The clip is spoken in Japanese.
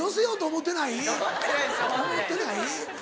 思ってないです。